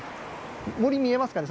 森、見えますかね？